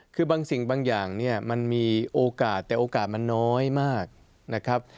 คือบางสิ่งบางอย่างเนี่ยมันมีโอกาสแต่โอกาสมันน้อยมากนะครับ